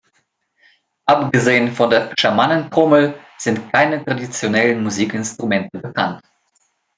Abgesehen von der Schamanentrommel sind keine traditionellen Musikinstrumente bekannt.